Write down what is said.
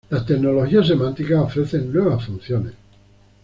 Las tecnologías semánticas ofrecen nuevas funciones.